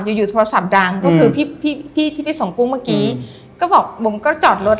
อยู่อยู่โทรศัพท์ดังก็คือพี่พี่ที่ไปส่งกุ้งเมื่อกี้ก็บอกบุ๋มก็จอดรถ